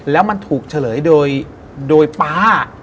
แล้วมันถูกเฉลยโดยป๊า